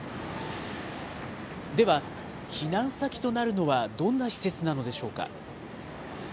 では、避難先となるのは、どんな施設なのでしょうか。